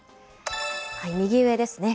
右上ですね。